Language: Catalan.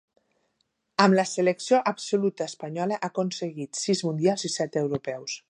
Amb la selecció absoluta espanyola, ha aconseguit sis mundials i set europeus.